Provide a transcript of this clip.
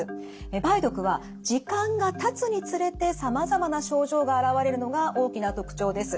梅毒は時間がたつにつれてさまざまな症状が現れるのが大きな特徴です。